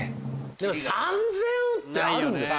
でも３０００万円ってあるんですか？